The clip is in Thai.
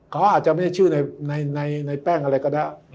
เขาอาจจะไม่ใช่ชื่อในแป้งอะไรก็ได้